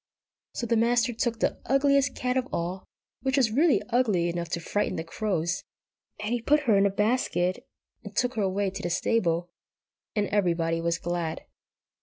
So the Master took the ugliest cat of all, which was really ugly enough to frighten the crows, and he put her in a basket, and took her away to the stable, and everybody was glad.